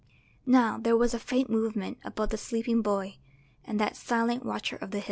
Now there was a faint movement about the sleeping boy and that silent watcher of the Hills.